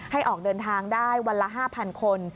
ออกเดินทางได้วันละ๕๐๐คน